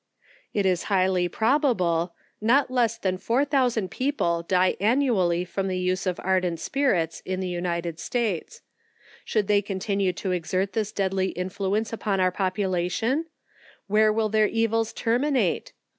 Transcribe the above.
It is highly probable, not less than 4000 people die an nually, from the use of ardent spirits, in the United States. Should they continue to exert this deadly influence upon our population, where will their evils terminate